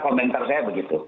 komentar saya begitu